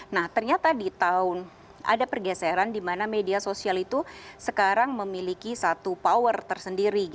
nah ternyata di tahun ada pergeseran di mana media sosial itu sekarang memiliki satu power tersendiri